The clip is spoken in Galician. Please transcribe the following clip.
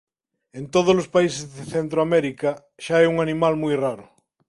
En todos os países de Centroamérica xa é un animal moi raro.